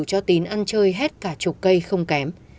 cho tín ăn chơi hết cả chục cây không kém